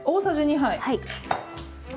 はい。